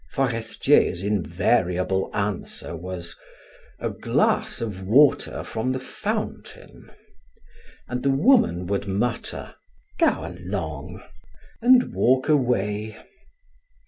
Forestier's invariable answer was: "A glass of water from the fountain." And the woman would mutter, "Go along," and walk away.